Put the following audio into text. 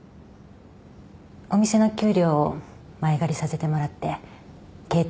お店の給料前借りさせてもらって携帯を買いました。